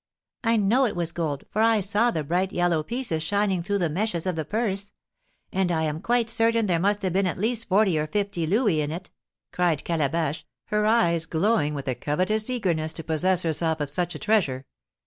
I know it was gold, for I saw the bright, yellow pieces shining through the meshes of the purse; and I am quite certain there must have been at least forty or fifty louis in it!" cried Calabash, her eyes glowing with a covetous eagerness to possess herself of such a treasure.